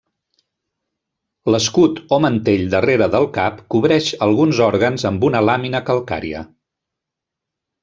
L'escut o mantell darrere del cap cobreix alguns òrgans amb una làmina calcària.